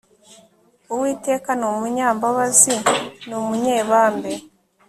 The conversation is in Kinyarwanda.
uwiteka ni umunyambabazi n umunyebambe